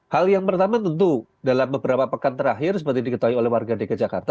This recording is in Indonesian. hal yang pertama tentu dalam beberapa pekan terakhir seperti diketahui oleh warga dki jakarta